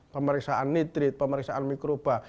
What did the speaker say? pemeriksaan nitrit pemeriksaan mikroba